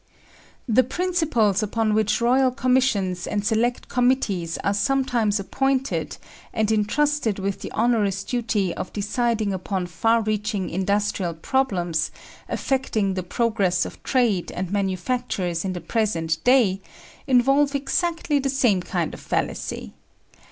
The principles upon which Royal Commissions and Select Committees are sometimes appointed and entrusted with the onerous duty of deciding upon far reaching industrial problems, affecting the progress of trade and manufactures in the present day, involve exactly the same kind of fallacy.